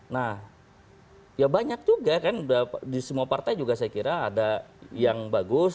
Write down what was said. nah ya banyak juga kan di semua partai juga saya kira ada yang bagus